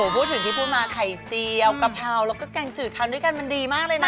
พูดถึงที่พูดมาไข่เจียวกะเพราแล้วก็แกงจืดทำด้วยกันมันดีมากเลยนะ